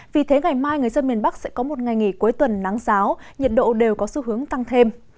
vì thế ngày mai người dân miền bắc sẽ có một ngày nghỉ cuối tuần nắng giáo nhiệt độ đều có xu hướng tăng thêm